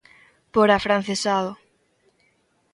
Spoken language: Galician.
Por afrancesado!